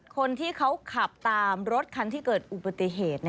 คนที่เขาขับตามรถคันที่เกิดอุบัติเหตุ